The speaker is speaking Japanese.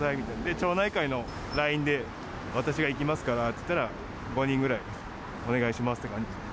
町内会のＬＩＮＥで、私が行きますからって言ったら、５人ぐらいお願いしますって感じ。